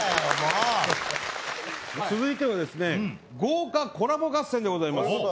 続いてはですね豪華コラボ合戦でございます。